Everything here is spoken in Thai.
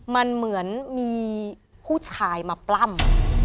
มันเหมือนมีผู้ชายมาปล้ำ